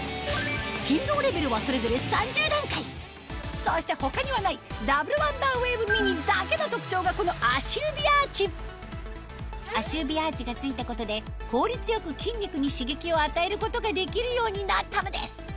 振動レベルはそれぞれ３０段階そして他にはないダブルワンダーウェーブミニだけの特徴がこの足指アーチ足指アーチが付いたことで効率よく筋肉に刺激を与えることができるようになったのです